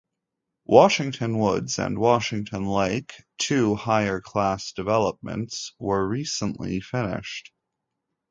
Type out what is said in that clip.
Washington Woods and Washington Lake, two higher class developments, were recently finished.